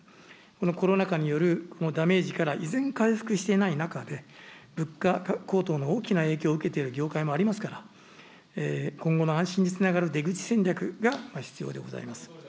このコロナ禍によるダメージから依然回復していない中で、物価高騰の大きな影響を受けている業界もありますから、今後の安心につながる出口戦略が必要でございます。